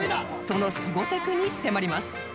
そのすごテクに迫ります